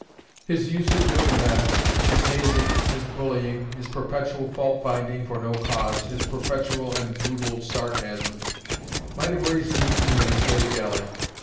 His usage of the men, his hazing, his bullying, his perpetual fault finding for no cause, his perpetual and brutal sarcasm, might have raised a mutiny in a slave galley.